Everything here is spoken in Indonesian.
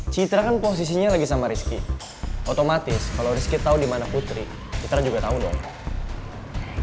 citra kan posisinya lagi sama rizky otomatis kalo rizky tau dimana putri citra juga tau dong